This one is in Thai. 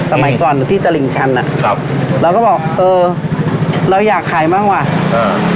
สมัยก่อนอยู่ที่ตลิ่งชันอ่ะครับเราก็บอกเออเราอยากขายบ้างว่ะอ่า